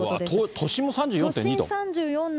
都心も３４．２度。